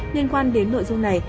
liên quan đến nội dung này